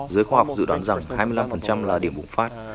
giới khoa học dự đoán rằng hai mươi năm là điểm bùng phát